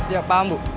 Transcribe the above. ya paham bu